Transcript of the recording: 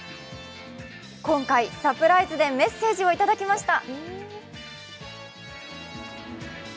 今回、サプライズでメッセージをいただきました。